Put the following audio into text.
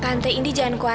tante ini jangan kuat